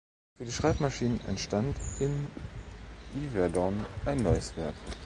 Für die Schreibmaschinen entstand in Yverdon ein neues Werk.